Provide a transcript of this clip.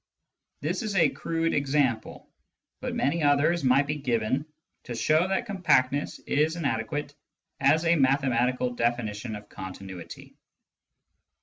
This is a crude example, but many others might be given to show that compactness is inadequate as a mathematical definition of continuity.